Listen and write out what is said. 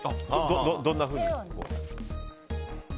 どんなふうに？